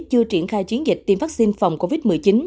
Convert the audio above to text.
chưa triển khai chiến dịch tiêm vaccine phòng covid một mươi chín